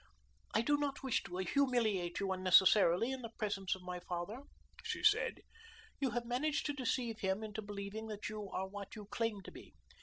"I do not wish to humiliate you unnecessarily in the presence of my father," she said. "You have managed to deceive him into believing that you are what you claim to be.